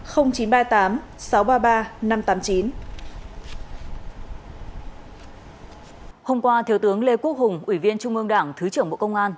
hôm qua thiếu tướng lê quốc hùng ủy viên trung ương đảng thứ trưởng bộ công an